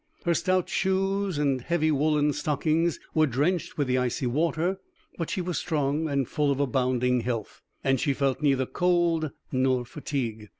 Her stout shoes and heavy woolen stockings were drenched with the icy water, but she was strong and full of abounding health, and she felt neither cold nor fatigue.